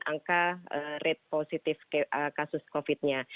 angka rate positif kasus covid nya